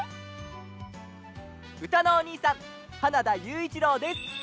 うたのおにいさん花田ゆういちろうです。